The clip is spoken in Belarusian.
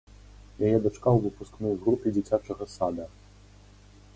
Яе дачка ў выпускной групе дзіцячага сада.